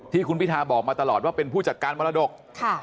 ที่คุณพิทาบอกมาตลอดว่าเป็นผู้จัดการมรดก